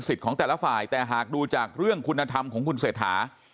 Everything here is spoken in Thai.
ของแต่ละฝ่ายแต่หากดูจากเรื่องคุณธรรมของคุณเศรษฐา